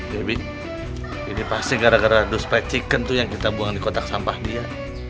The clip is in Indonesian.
dedy ini pasti gara gara dos pay chicken tuh yang kita buang di kotak sampah dia